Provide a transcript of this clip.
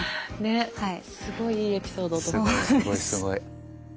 すごいすごい。